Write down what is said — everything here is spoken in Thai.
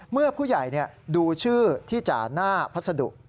เมื่อผู้ใหญ่ดูชื่อที่จ่าหน้าพัสดุ